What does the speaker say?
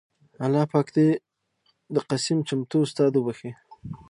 اللهٔ پاک د قسيم چمتو استاد وبښي